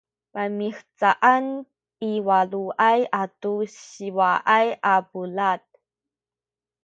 paymihcaan i waluay atu siwaay a bulad